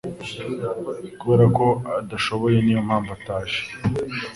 kubera ko adashoboye niyo mpamvu ataje